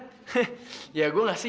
heh ya gue nggak siap lah